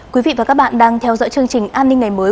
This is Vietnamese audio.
quý vị và các bạn đang theo dõi chương trình an ninh ngày mới